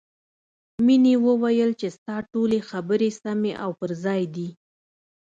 مینې وویل چې ستا ټولې خبرې سمې او پر ځای دي